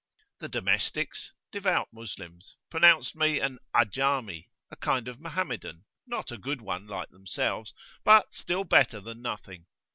The domestics, devout Moslems, pronounced me an 'Ajami,[FN#16] a kind of Mohammedan, not a good one like themselves, but, still better than nothing.